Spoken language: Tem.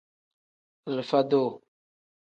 Alifa-duu.